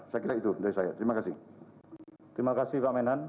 saya kira itu dari saya terima kasih